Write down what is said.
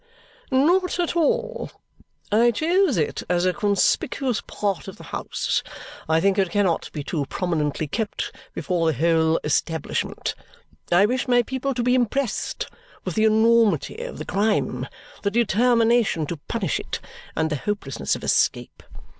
"Not at all. I chose it as a conspicuous part of the house. I think it cannot be too prominently kept before the whole establishment. I wish my people to be impressed with the enormity of the crime, the determination to punish it, and the hopelessness of escape.